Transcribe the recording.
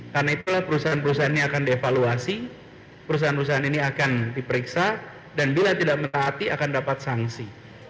karena itulah perusahaan perusahaannya akan dievaluasi perusahaan perusahaan ini akan diperiksa dan bila tidak mentaati akan dapat sanksi